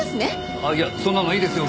ああいやそんなのいいですよ